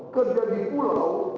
kerja di pulau